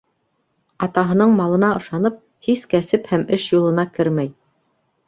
Атаһының малына ышанып, һис кәсеп һәм эш юлына кермәй.